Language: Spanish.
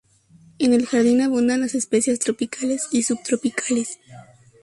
En el jardín abundan las especies tropicales y subtropicales.